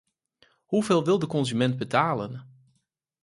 Hoe veel wil de consument betalen?